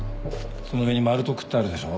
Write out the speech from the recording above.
その上にマル特ってあるでしょ？